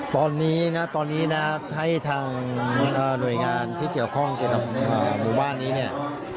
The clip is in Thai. ตอนนี้นะให้ทางหน่วยงานที่เกี่ยวข้องกับบุว่านนี้เนี่ย